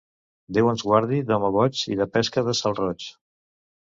Déu ens guardi d'home boig i de pesca de salroig.